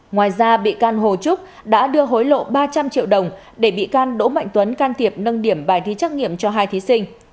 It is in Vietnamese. ngoài ra bị can hồ trúc đã đưa hối lộ ba trăm linh triệu đồng để bị can đỗ mạnh tuấn can thiệp nâng điểm bài thi trắc nghiệm cho hai thí sinh